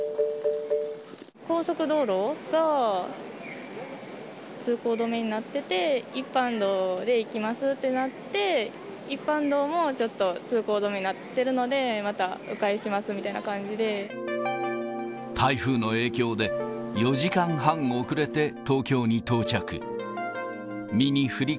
高速道路が通行止めになってて、一般道で行きますってなって、一般道もちょっと通行止めになってるので、台風の影響で、４時間半遅れて東京に到着。